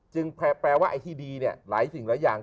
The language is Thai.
แปลว่าไอ้ที่ดีเนี่ยหลายสิ่งหลายอย่าง